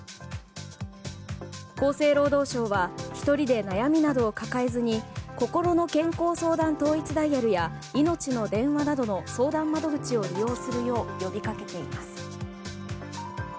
厚生労働省は１人で悩みなどを抱えずにこころの健康相談統一ダイヤルやいのちの電話などの相談窓口を利用するよう呼び掛けています。